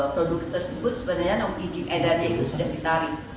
produk tersebut sebenarnya izin edarnya itu sudah ditarik